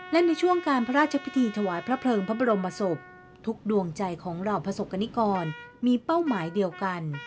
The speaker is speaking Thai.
และในช่วงการพระราชพิธีถวายพระเพลิงพระบรมศพทุกดวงใจของเหล่าประสบกรณิกรมีเป้าหมายเดียวกัน